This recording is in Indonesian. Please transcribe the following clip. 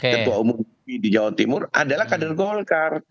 yang berumur lebih di jawa timur adalah kader golkar